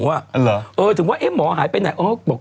เออหรือถึงว่าหมอหายไปไหน